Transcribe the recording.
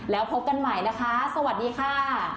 แล้วพบกันใหม่นะคะสวัสดีค่ะ